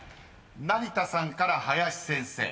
成田さんから林先生］